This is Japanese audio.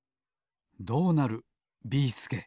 どうなるビーすけ